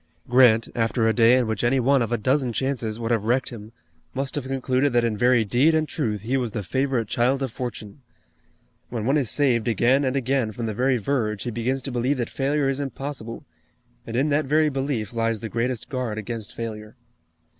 Grant, after a day in which any one of a dozen chances would have wrecked him, must have concluded that in very deed and truth he was the favorite child of Fortune. When one is saved again and again from the very verge he begins to believe that failure is impossible, and in that very belief lies the greatest guard against failure.